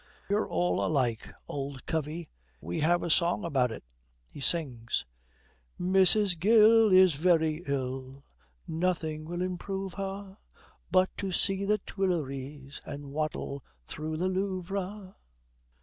'You're all alike, old covey. We have a song about it.' He sings: 'Mrs. Gill is very ill, Nothing can improve her But to see the Tuileries And waddle through the Louvre.'